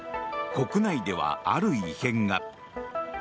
国内では、ある異変が。